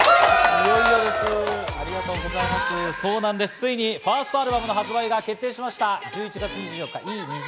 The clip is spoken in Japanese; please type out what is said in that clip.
ついにファーストアルバムの発売が決定しました、１１月２４日。